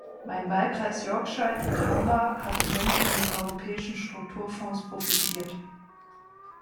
Mein Wahlkreis Yorkshire and Humber hat immens von den Europäischen Strukturfonds profitiert.